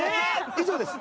以上です。